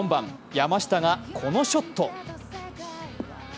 山下がこのショット。